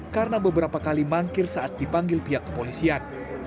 karena beberapa kali mangkir saat dipanggil pihak kepolisian